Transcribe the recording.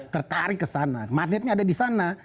tertarik ke sana magnetnya ada di sana